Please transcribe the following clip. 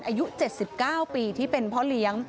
อายุ๗๙ปี